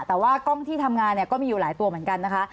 แต่ว่ากล้องที่ทำงานเนี่ยก็มีอยู่หลายตัวเหมือนกันนะคะ